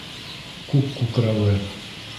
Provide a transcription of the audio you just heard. Күк күкрәүе!